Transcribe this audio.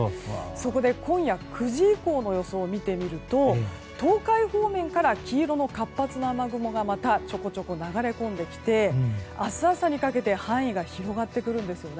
そこで、今夜９時以降の予想を見てみると、東海方面から黄色の活発な雨雲がまたちょこちょこ流れ込んできて明日朝にかけて範囲が広がってくるんです。